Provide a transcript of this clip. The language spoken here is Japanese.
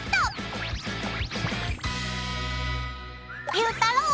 ゆうたろう。